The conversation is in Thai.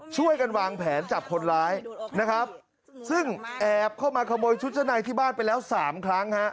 ช่วยกันวางแผนจับคนร้ายนะครับซึ่งแอบเข้ามาขโมยชุดชั้นในที่บ้านไปแล้วสามครั้งฮะ